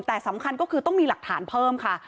แต่สำคัญก็คือต้องมีหลักฐานเพิ่มค่ะ